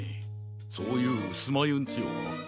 そういううすまゆんちは？